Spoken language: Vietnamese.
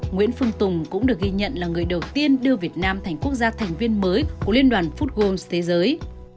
nguyễn phương tùng cũng được ghi nhận là người đầu tiên đưa việt nam thành quốc gia thành viên mới của liên đoàn foodolms thế giới